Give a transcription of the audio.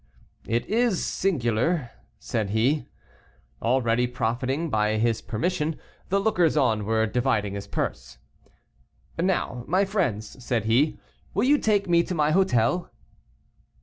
"It is singular," said he. Already profiting by his permission, the lookers on were dividing his purse. "Now, my friends," said he, "will you take me to my hôtel?"